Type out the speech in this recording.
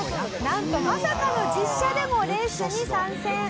なんとまさかの実車でもレースに参戦！